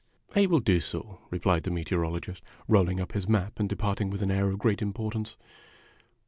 " I will do so," replied the Meteorologist, rolling up his map and departing with an air of great importance.